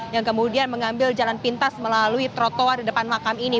yang kemudian mengambil jalan pintas melalui trotoar di depan makam ini